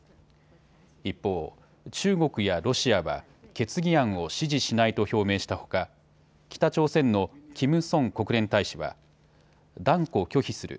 一方、中国やロシアは決議案を支持しないと表明したほか北朝鮮のキム・ソン国連大使は断固拒否する。